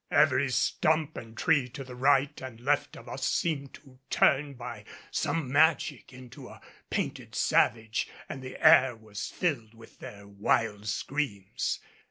Every stump and tree to the right and left of us seemed to turn by some magic into a painted savage and the air was filled with their wild screams.